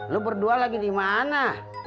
lo berdua lagi di mana